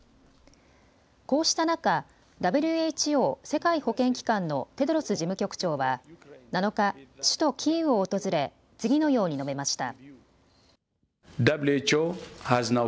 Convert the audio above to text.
こうした中、ＷＨＯ・世界保健機関のテドロス事務局長は７日、首都キーウを訪れ次のように述べました。